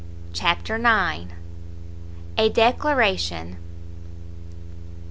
CHAPTER ix. A DECLARATION.